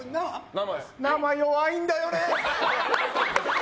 生、弱いんだよね。